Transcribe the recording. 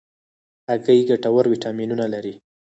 هګۍ ګټور ویټامینونه لري.